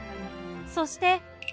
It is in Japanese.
そして。